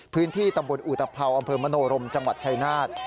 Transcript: พื้นที่ตำบลอุตภัวอำเภอมโนรมจังหวัดชายนาฏ